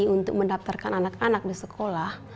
untuk mendaftarkan anak anak di sekolah